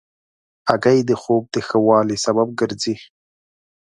هګۍ د خوب د ښه والي سبب ګرځي.